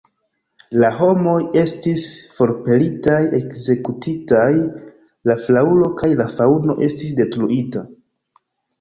La homoj estis forpelitaj, ekzekutitaj; la flaŭro kaj la faŭno estis detruita.